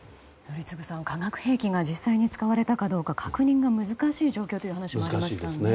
宜嗣さん、化学兵器が実際に使われたどうかの確認が難しい状況という話でしたね。